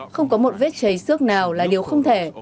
không có một vết chảy xước nào là điều không thể